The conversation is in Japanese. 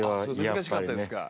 難しかったですか。